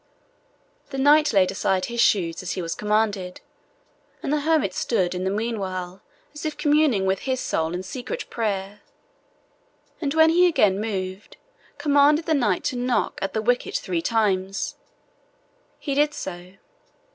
The knight laid aside his shoes as he was commanded, and the hermit stood in the meanwhile as if communing with his soul in secret prayer, and when he again moved, commanded the knight to knock at the wicket three times. He did so.